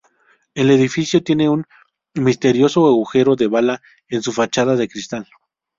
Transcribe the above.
El edificio tiene un misterioso agujero de bala en su fachada de cristal.